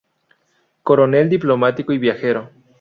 Coronel, diplomático y viajero.